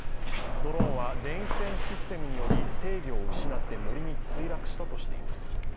ドローンは電子戦システムにより制御を失い森に墜落したとしています。